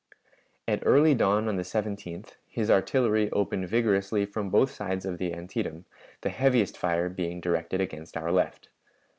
At early dawn on the 17th his artillery opened vigorously from both sides of the Antietam, the heaviest fire being directed against our left.